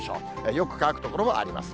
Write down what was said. よく乾く所もあります。